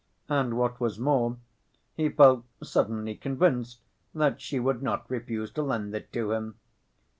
And what was more, he felt suddenly convinced that she would not refuse to lend it to him.